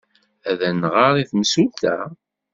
Ad d-nɣer i temsulta?